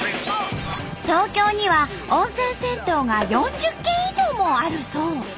東京には温泉銭湯が４０軒以上もあるそう。